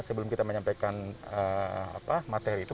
sebelum kita menyampaikan materi itu